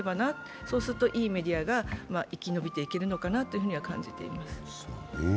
そうすると、いいメディアが生き延びていけるのかなと感じています。